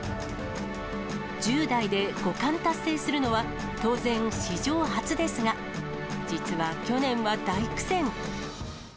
１０代で五冠達成するのは当然史上初ですが、実は去年は大苦戦。